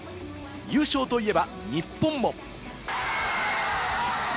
優勝といえば、日本も。